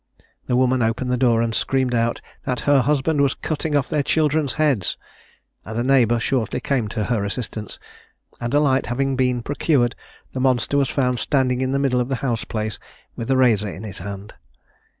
The woman opened the door, and screamed out "that her husband was cutting off their children's heads;" and a neighbour shortly came to her assistance; and a light having been procured, the monster was found standing in the middle of the house place, with a razor in his hand.